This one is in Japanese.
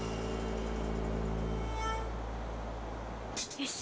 よし。